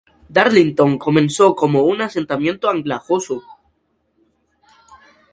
Darlington comenzó como un asentamiento anglosajón.